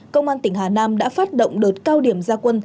công an tỉnh hà nam đã phát động đợt cao điểm gia quân